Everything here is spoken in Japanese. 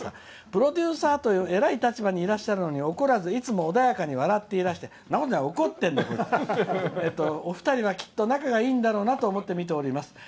プロデューサーという立場にいらっしゃるのに怒らず、いつも穏やかに笑っていらっしゃってお二人はきっと仲がいいんだろうなと思ってみています。